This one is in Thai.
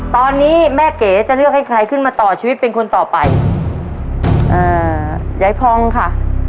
ตอนนี้แม่เก๋จะเลือกให้ใครขึ้นมาต่อชีวิตเป็นคนต่อไปเอ่อยายพองค่ะ